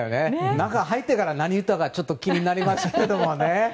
中に入ってから何を言ったか気になりますけどね。